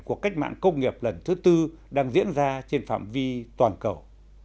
của cách mạng công nghiệp lần thứ tư đang diễn ra trên phạm vi toàn cầu